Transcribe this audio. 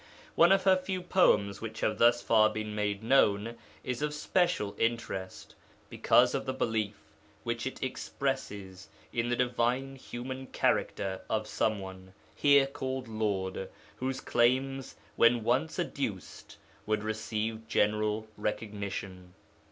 One of her few poems which have thus far been made known is of special interest, because of the belief which it expresses in the divine human character of some one (here called Lord), whose claims, when once adduced, would receive general recognition.